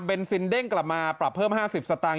เป็นซินเด้งกลับมาปรับเพิ่ม๕๐สตางค